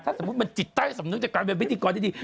ถ้าสมมุติมันจิตใต้สำนึกจากการเป็นพิธีกรที่ดี